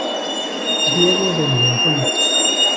Diego de Monzón.